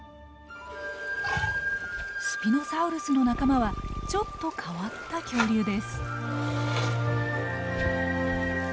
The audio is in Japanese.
スピノサウルスの仲間はちょっと変わった恐竜です。